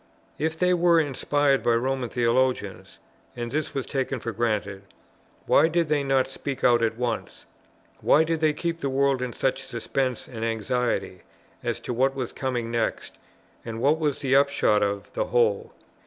If they were inspired by Roman theologians, (and this was taken for granted,) why did they not speak out at once? Why did they keep the world in such suspense and anxiety as to what was coming next, and what was to be the upshot of the whole?